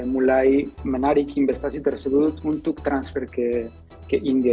mulai menarik investasi tersebut untuk transfer ke india